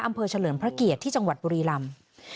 เฉลิมพระเกียรติที่จังหวัดบุรีรำ